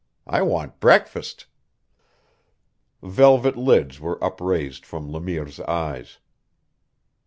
I want breakfast." Velvet lids were upraised from Le Mire's eyes.